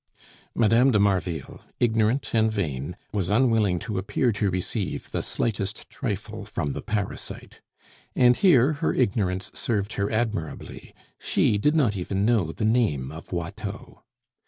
Mme. de Marville, ignorant and vain, was unwilling to appear to receive the slightest trifle from the parasite; and here her ignorance served her admirably, she did not even know the name of Watteau.